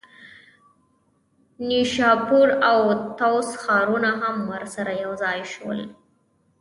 نیشاپور او طوس ښارونه هم ورسره یوځای شول.